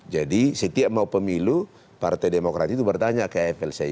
jadi setiap mau pemilu partai demokrat itu bertanya ke aflcu